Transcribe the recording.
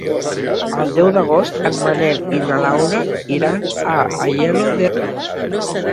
El deu d'agost en Manel i na Laura iran a Aielo de Rugat.